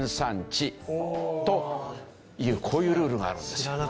こういうルールがあるんですよ。